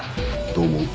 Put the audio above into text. どう思う？